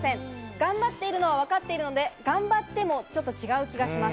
頑張っているのは分かっているので「頑張って」も、ちょっと違う気がします。